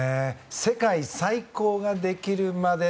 世界最高ができるまで。